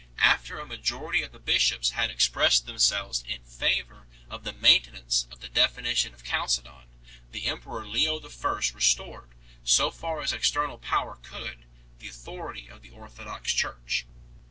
After a majority of the bishops had expressed themselves in favour of the maintenance of the definition of Chalcedon 3 , the emperor Leo I. restored, so far as external power could, the authority of the orthodox Church.